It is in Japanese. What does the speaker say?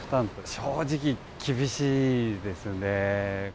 正直、厳しいですね。